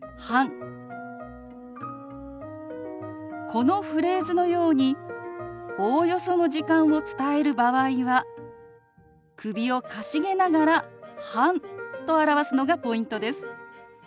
このフレーズのようにおおよその時間を伝える場合は首をかしげながら「半」と表すのがポイントです。